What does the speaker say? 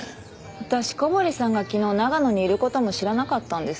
私小堀さんが昨日長野にいる事も知らなかったんです。